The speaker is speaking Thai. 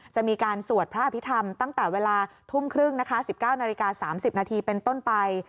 จะมีการสวดพระอภิธรรมตั้งแต่เวลาทุ่มครึ่ง๑๙น๓๐นเป็นต้นไป